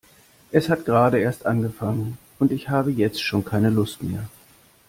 Es hat gerade erst angefangen und ich habe jetzt schon keine Lust mehr.